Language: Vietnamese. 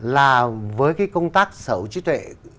là với cái công tác sở hữu trí tuệ